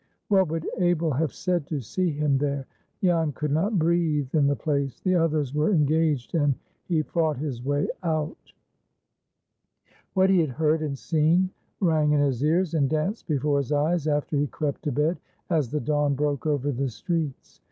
What would Abel have said to see him there? Jan could not breathe in the place. The others were engaged, and he fought his way out. What he had heard and seen rang in his ears and danced before his eyes after he crept to bed, as the dawn broke over the streets.